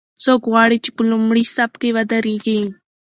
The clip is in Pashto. څوک غواړي چې په لومړي صف کې ودریږي؟